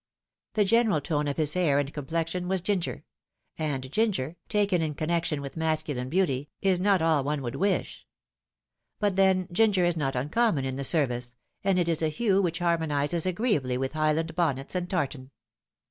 The general tone of his hair and complexion was ginger ; Pamela changes her Mind. 293 and ginger, taken in connection with masculine beauty, is not all one would wish. But then ginger is not uncommon in the ser vice, and it is a hue which harmonises agreeably with Highland bonnets and tartan.